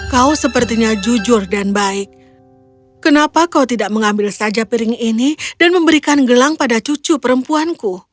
kau sepertinya jujur dan baik kenapa kau tidak mengambil saja piring ini dan memberikan gelang pada cucu perempuanku